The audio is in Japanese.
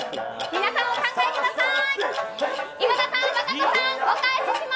皆さんお考えください。